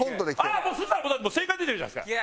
あっそしたらもう正解出てるじゃないですか。